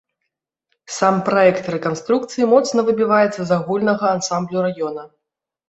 Сам праект рэканструкцыі моцна выбівацца з агульнага ансамблю раёна.